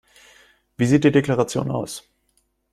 Wie sieht die Deklaration aus?